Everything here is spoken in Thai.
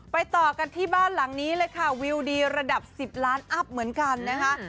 ต่อกันที่บ้านหลังนี้เลยค่ะวิวดีระดับ๑๐ล้านอัพเหมือนกันนะคะ